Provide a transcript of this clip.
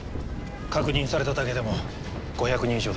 確認されただけでも５００人以上です。